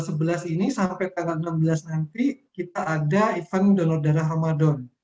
sampai tanggal enam belas nanti kita ada event donor darah ramadan